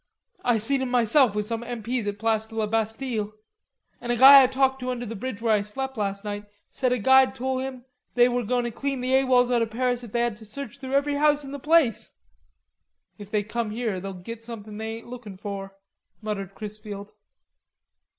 I seen 'em myself with some M. P.'s at Place de la Bastille. An' a guy I talked to under the bridge where I slep' last night said a guy'd tole him they were goin' to clean the A. W. O. L.'s out o' Paris if they had to search through every house in the place." "If they come here they'll git somethin' they ain't lookin' for," muttered Chrisfield.